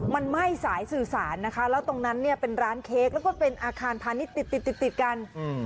มันไหม้สายสื่อสารนะคะแล้วตรงนั้นเป็นร้านเค้กแล้วก็เป็นอาคารพาณิชย์ติดกัน